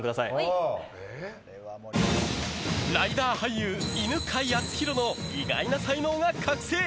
ライダー俳優・犬飼貴丈の意外な才能が覚醒！